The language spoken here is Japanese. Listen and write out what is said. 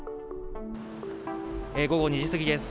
午後２時過ぎです。